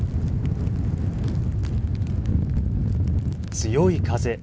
強い風。